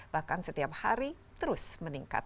bahkan setiap hari terus meningkat